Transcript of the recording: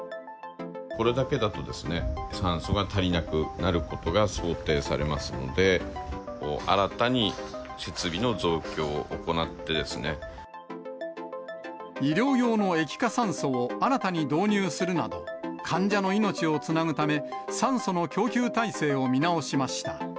これだけだとですね、酸素が足りなくなることが想定されますので、医療用の液化酸素を新たに導入するなど、患者の命をつなぐため、酸素の供給体制を見直しました。